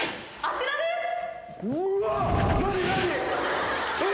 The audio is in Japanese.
あちらです。